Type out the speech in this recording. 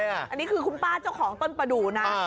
อันนี้คือคุณป้าเจ้าของต้นประดูนะ